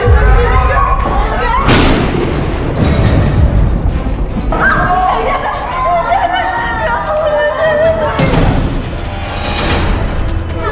kang jaka ya allah